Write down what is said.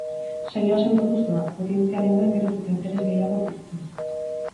Saioa sendotuz doa, audientziarengan geroz eta interes gehiago piztuz.